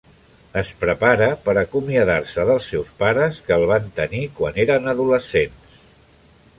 Es prepara per acomiadar-se dels seus pares que el van tenir quan eren adolescents.